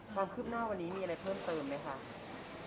ความคืบหน้าวันนี้มีอะไรเพิ่มเติมไหมคะ